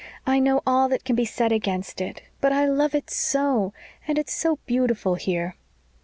"I know all that can be said against it, but I love it so and it's so beautiful here."